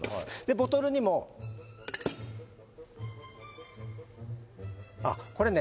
ボトルにもあっこれね